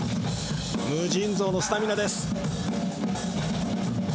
無尽蔵のスタミナです。